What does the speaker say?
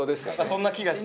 そんな気がして。